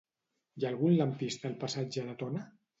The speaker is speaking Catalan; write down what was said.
Hi ha algun lampista al passatge de Tona?